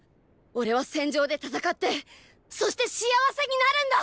オレは戦場で戦ってそして幸せになるんだ！！